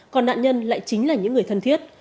còn nạn nhân lại chính là những người thân thiết